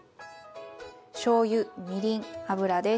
しょうゆみりん油です。